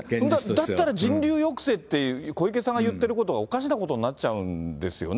だったら人流抑制って、小池さんが言ってることが、おかしなことになっちゃうんですよね。